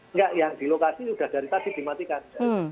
enggak yang di lokasi sudah dari tadi dimatikan